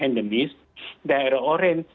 endemis daerah orange